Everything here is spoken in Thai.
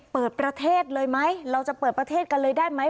เปิดประเทศเลยไหมเราจะเปิดประเทศกันเลยได้ไหม